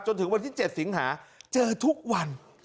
จนถึงวันที่๗สิงหาเจอทุกวัน